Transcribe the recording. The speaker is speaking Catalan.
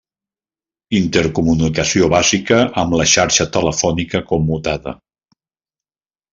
Intercomunicació bàsica amb la xarxa telefònica commutada.